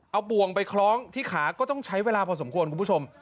เอาบ่วงไปคล้องที่ขาก็ต้องใช้เวลาพอสมควรคุณผู้ชม